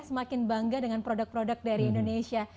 semakin bangga dengan produk produk dari indonesia